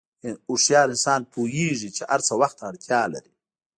هوښیار انسان پوهېږي چې هر څه وخت ته اړتیا لري.